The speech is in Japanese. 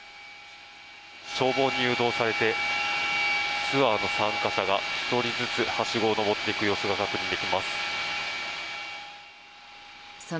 消防に誘導されてツアーの参加者が１人ずつ、はしごを上っていく様子が確認できます。